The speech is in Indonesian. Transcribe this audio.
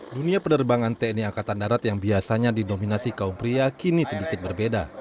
dunia penerbangan tni angkatan darat yang biasanya didominasi kaum pria kini sedikit berbeda